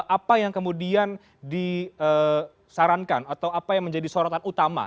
apa yang kemudian disarankan atau apa yang menjadi sorotan utama